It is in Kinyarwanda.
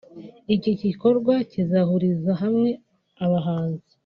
Iki gikorwa kizahuriza hamwe abahanzi